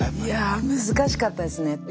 いやあ難しかったですね。